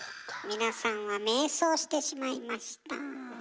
皆さんは迷走してしまいました。